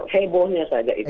hebonya saja itu